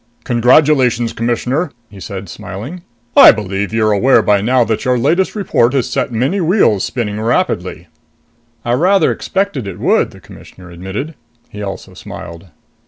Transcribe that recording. "Congratulations, Commissioner!" he said, smiling. "I believe you're aware by now that your latest report has set many wheels spinning rapidly!" "I rather expected it would," the Commissioner admitted. He also smiled.